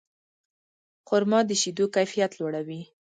خرما د شیدو کیفیت لوړوي.